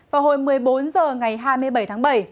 vào hồi một mươi bốn h ngày hai mươi bảy tháng bảy